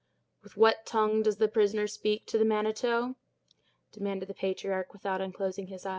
"With what tongue does the prisoner speak to the Manitou?" demanded the patriarch, without unclosing his eyes.